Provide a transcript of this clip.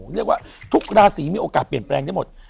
เรียกว่าทุกราศีมีโอกาสเปลี่ยนแปลงได้หมด